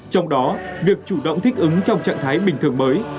trong đó việc chủ động thích ứng trong trạng thái bình thường mới